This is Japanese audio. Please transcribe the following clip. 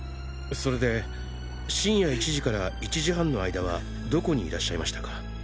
それで深夜１時から１時半の間はどこにいらっしゃいましたか？